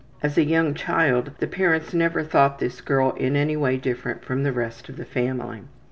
As a young child the parents never thought this girl in any way different from the rest of the family.